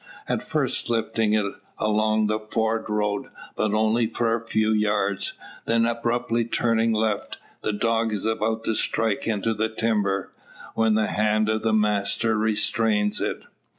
At first lifting it along the ford road, but only for a few yards. Then abruptly turning left, the dog is about to strike into the timber, when the hand of the master restrains it.